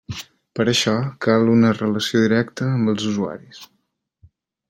Per això cal una relació directa amb els usuaris.